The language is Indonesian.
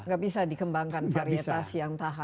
gak bisa dikembangkan varietas yang tahan